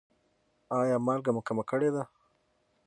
ایا مالګه مو کمه کړې ده؟